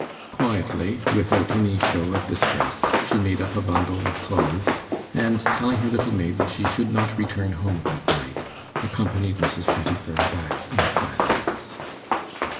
Quietly, without any show of distress, she made up a bundle of clothes, and, telling her little maid that she should not return home that night, accompanied Mrs. Pettifer back in silence.